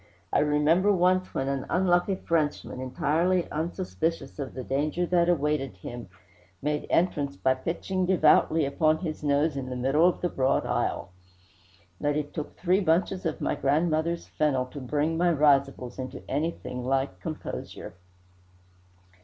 I remember once when an unlucky Frenchman, entirely unsuspicious of the danger that awaited him, made entrance by pitching devoutly upon his nose in the middle of the broad aisle; that it took three bunches of my grandmother's fennel to bring my risibles into anything like composure.